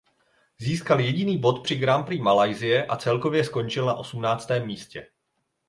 Získal jediný bod při Grand Prix Malajsie a celkově skončil na osmnáctém místě.